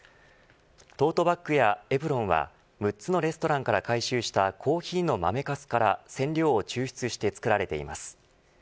トートバックやエプロンは６つのレストランから回収したコーヒーの豆かすから染料を抽出して作られています。